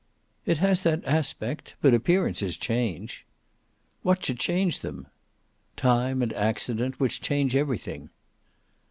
"It has that aspect; but appearances change." "What should change them?" "Time and accident, which change everything."